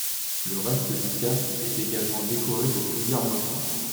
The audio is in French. Le reste du casque est également décoré de plusieurs motifs.